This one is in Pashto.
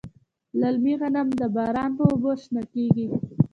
للمي غنم د باران په اوبو شنه کیږي.